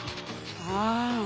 ああ。